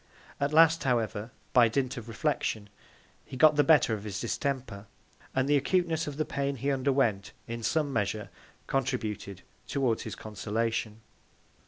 At last, however, by Dint of Reflection, he got the better of his Distemper; and the Acuteness of the Pain he underwent, in some Measure, contributed towards his Consolation.